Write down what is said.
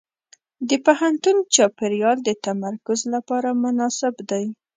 د پوهنتون چاپېریال د تمرکز لپاره مناسب دی.